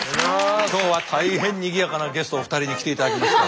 今日は大変にぎやかなゲストお二人に来ていただきました。